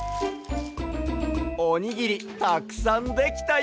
おにぎりたくさんできたＹＯ！